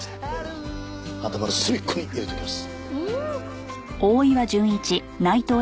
頭の隅っこに入れておきます。